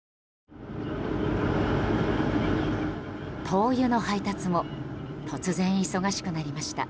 灯油の配達も突然、忙しくなりました。